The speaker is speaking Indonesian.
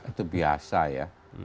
itu biasa ya